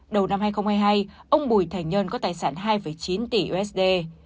đầu năm hai nghìn hai mươi hai ông bùi thành nhân có tài sản hai chín tỷ usd